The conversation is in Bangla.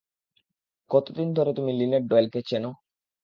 কতদিন ধরে তুমি লিনেট ডয়েলকে চেনো?